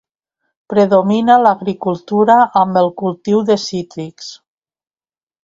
Predomina l'agricultura amb el cultiu de cítrics.